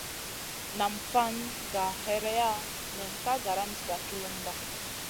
Nam fan gah hèreya nen ka garam diga tchulumba.